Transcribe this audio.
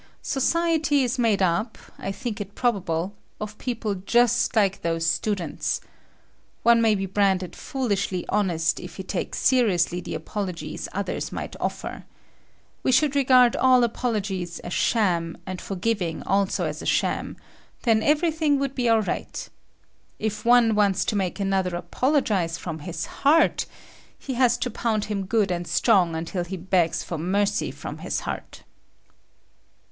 Society is made up, I think it probable, of people just like those students. One may be branded foolishly honest if he takes seriously the apologies others might offer. We should regard all apologies a sham and forgiving also as a sham; then everything would be all right. If one wants to make another apologize from his heart, he has to pound him good and strong until he begs for mercy from his heart.